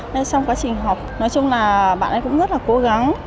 nên trong quá trình học nói chung là bạn ấy cũng rất là cố gắng